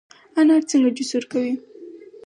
انار څنګه جوس ورکوي؟